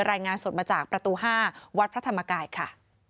รายงานสดมาจากประตู๕วัดพระธรรมกายค่ะ